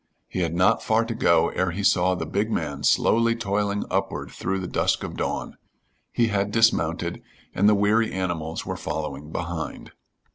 He had not far to go ere he saw the big man slowly toiling upward through the dusk of dawn. He had dismounted, and the weary animals were following behind.